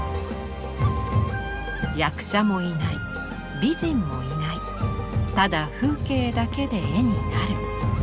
役者もいない美人もいないただ風景だけで絵になる。